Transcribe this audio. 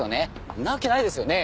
んな訳ないですよね？